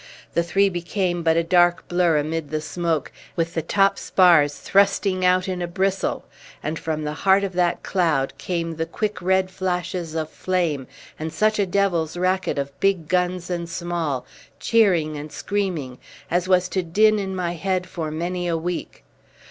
The three became but a dark blurr amid the smoke, with the top spars thrusting out in a bristle, and from the heart of that cloud came the quick red flashes of flame, and such a devils' racket of big guns and small, cheering and screaming, as was to din in my head for many a week.